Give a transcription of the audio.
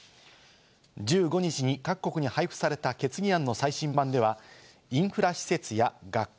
１５日に各国に配布された決議案の最新版では、インフラ施設や学校。